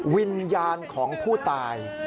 วิญญาณของผู้ตาย